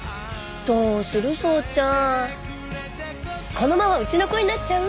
このままうちの子になっちゃう？